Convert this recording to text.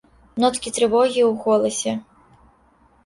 Ноткі трывогі ў голасе.